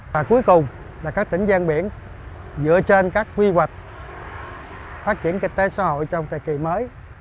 và cuối cùng là các tỉnh gian biển dựa trên các quy hoạch phát triển kinh tế xã hội trong thời kỳ mới